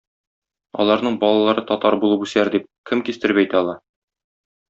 Аларның балалары татар булып үсәр, дип кем кистереп әйтә ала?